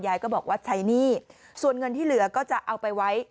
ยายก็บอกว่าใช้หนี้ส่วนเงินที่เหลือก็จะเอาไปไว้